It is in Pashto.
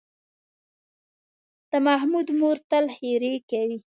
د محمود مور تل ښېرې کوي.